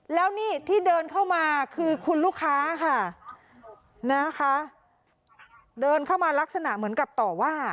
แล้วนี่ที่เดินเข้ามาคือคุณลูกค้าค่ะนะคะเดินเข้ามาลักษณะเหมือนกับต่อว่า